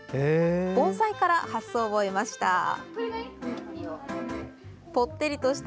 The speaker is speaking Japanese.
盆栽から発想を得ました。